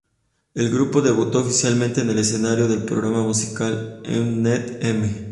El grupo debutó oficialmente en el escenario del programa musical de Mnet "M!